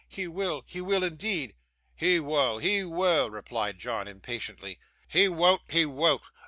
He will, he will indeed.' 'He wull, he wull!' replied John impatiently. 'He wean't, he wean't.